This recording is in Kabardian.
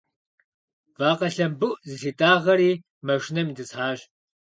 Вакъэ лъэмбыӏу зылъитӏагъэри машинэм итӏысхьащ.